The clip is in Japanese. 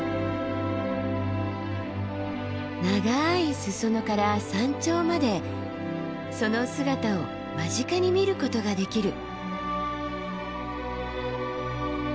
長い裾野から山頂までその姿を間近に見ることができる。